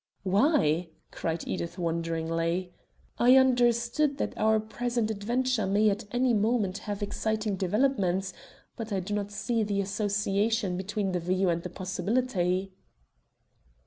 "Why?" cried Edith wonderingly. "I understood that our present adventure may at any moment have exciting developments, but I do not see the association between the view and the possibility."